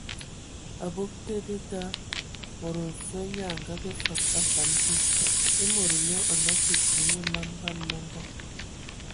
Abog te dedā, mod mfe nyaa a ngabe fəg a afan te ; e mod nyo a ngəkə dzii məlam, ban mɔngɔ.